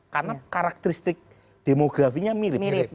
karena karakteristik demografinya mirip